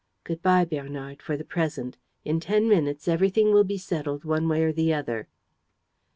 Good bye, Bernard, for the present. In ten minutes everything will be settled one way or the other."